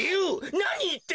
なにいってんの？